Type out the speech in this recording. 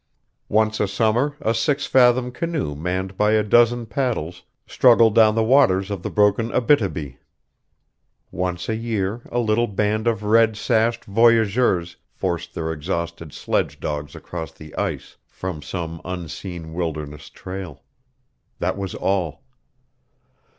Once a summer a six fathom canoe manned by a dozen paddles struggled down the waters of the broken Abítibi. Once a year a little band of red sashed voyageurs forced their exhausted sledge dogs across the ice from some unseen wilderness trail. That was all.